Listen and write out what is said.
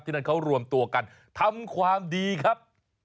นั่นเขารวมตัวกันทำความดีครับ